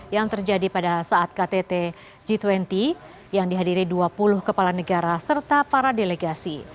yang terjadi pada saat ktt g dua puluh yang dihadiri dua puluh kepala negara serta para delegasi